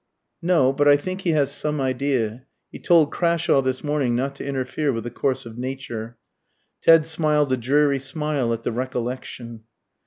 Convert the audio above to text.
"No; but I think he has some idea. He told Crashawe this morning not to interfere with the course of nature." Ted smiled a dreary smile at the recollection.